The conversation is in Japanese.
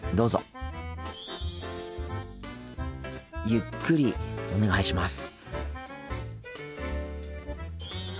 ゆっくりお願いします。